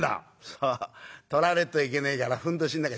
「そう取られっといけねえからふんどしん中しまっちゃった」。